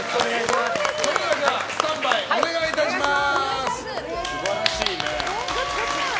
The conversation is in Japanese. スタンバイお願いいたします。